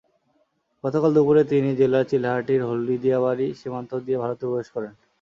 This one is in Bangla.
গতকাল দুপুরে তিনি জেলার চিলাহাটির হলদিয়াবাড়ি সীমান্ত দিয়ে ভারতে প্রবেশ করেন।